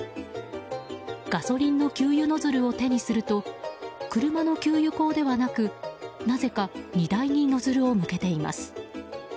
ガソリンの給油ノズルを手にすると車の給油口ではなく、なぜか荷台にノズルを向けています。